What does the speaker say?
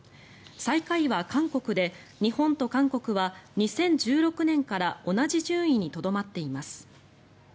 最下位は韓国で日本と韓国は２０１６年から同じ順位にとどまっています。